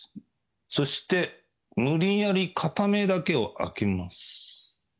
そして、無理やり片目だけを開けます。